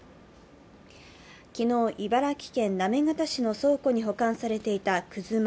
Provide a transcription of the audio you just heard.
昨日、茨城県行方市の倉庫に保管されていたくず米